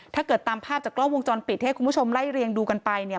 ถ้าเกิดตามภาพจากกล้องวงจรปิดที่ให้คุณผู้ชมไล่เรียงดูกันไปเนี่ย